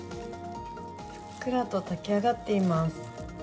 ふっくらと炊き上がっています。